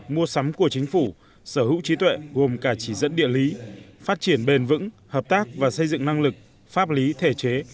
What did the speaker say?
mua sắm của chính phủ sở hữu trí tuệ gồm cả chỉ dẫn địa lý phát triển bền vững hợp tác và xây dựng năng lực pháp lý thể chế